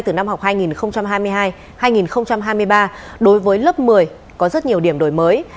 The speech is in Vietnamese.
từ năm học hai nghìn hai mươi hai hai nghìn hai mươi ba đối với lớp một mươi có rất nhiều điểm đổi mới